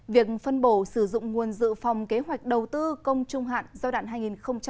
việc phân bổ sử dụng nguồn dự phòng kế hoạch đầu tư công trung hạn giai đoạn hai nghìn một mươi sáu hai nghìn hai mươi